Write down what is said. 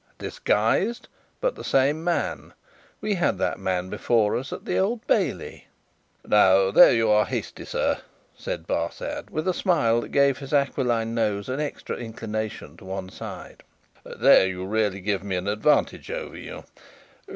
Disguised, but the same man. We had that man before us at the Old Bailey." "Now, there you are hasty, sir," said Barsad, with a smile that gave his aquiline nose an extra inclination to one side; "there you really give me an advantage over you.